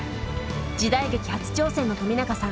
時代劇初挑戦の冨永さん。